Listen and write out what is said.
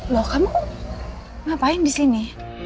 loh kamu ngapain di sini